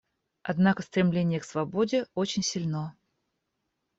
Однако стремление к свободе очень сильно.